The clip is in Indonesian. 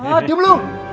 ah diam lu